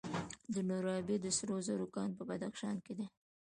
د نورابې د سرو زرو کان په بدخشان کې دی.